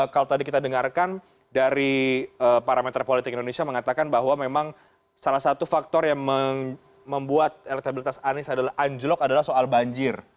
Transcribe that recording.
kalau tadi kita dengarkan dari parameter politik indonesia mengatakan bahwa memang salah satu faktor yang membuat elektabilitas anies anjlok adalah soal banjir